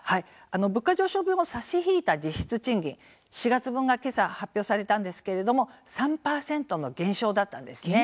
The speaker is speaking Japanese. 物価上昇分を差し引いた実質賃金４月分がけさ発表されたんですが３％の減少だったんです。